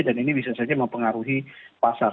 ini bisa saja mempengaruhi pasar